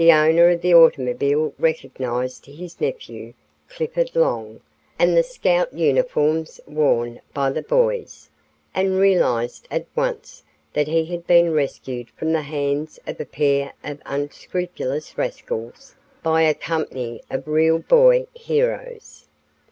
The owner of the automobile recognized his nephew, Clifford Long, and the Scout uniforms worn by the boys, and realized at once that he had been rescued from the hands of a pair of unscrupulous rascals by a company of real boy heroes.